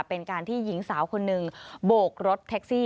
เป็นการที่หญิงสาวคนหนึ่งโบกรถแท็กซี่